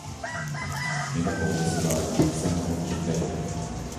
مېنى قوغلىسىلا، كەتسەممۇ كېتەي.